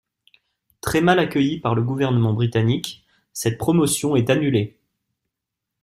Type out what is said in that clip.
Très mal accueilli par le gouvernement britannique, cette promotion est annulée.